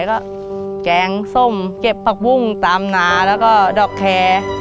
ก็แกงส้มเก็บผักบุรุ้งตามนาแล้วก็ดอกแค